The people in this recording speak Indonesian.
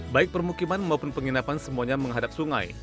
baik permukiman maupun penginapan semuanya menghadap sungai